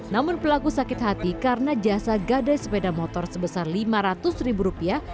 namun pelaku sakit hati karena jasa gadai sepeda motor sebesar lima ratus ribu rupiah